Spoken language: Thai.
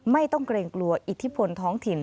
ไม่ต้องเกรงกลัวอิทธิพลท้องถิ่น